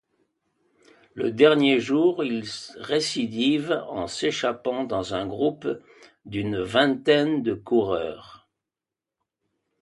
Le dernier jour, il récidive en s'échappant dans un groupe d'une vingtaine de coureurs.